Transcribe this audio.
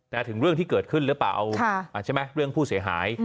แต่ถึงเรื่องที่เกิดขึ้นหรือเปล่าเอาใช่ไหมเรื่องผู้เสียหาย